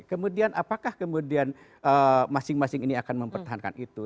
kemudian apakah kemudian masing masing ini akan mempertahankan itu